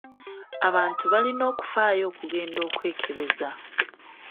Abantu balina okufaayo okugenda okwekebeza.